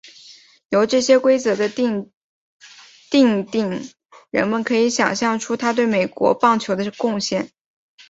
由这些规则的订定人们可以想像出他对美国棒球的贡献。